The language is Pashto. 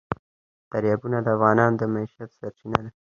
دریابونه د افغانانو د معیشت سرچینه ده.